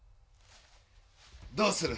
どうする？